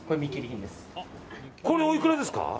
これ、おいくらですか？